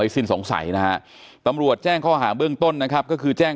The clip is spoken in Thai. สิ้นสงสัยนะฮะตำรวจแจ้งข้อหาเบื้องต้นนะครับก็คือแจ้ง